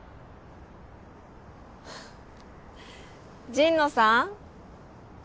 神野さん？